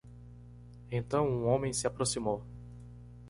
Então um homem se aproximou.